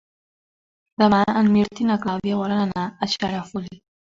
Demà en Mirt i na Clàudia volen anar a Xarafull.